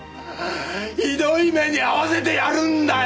ひどい目に遭わせてやるんだよ！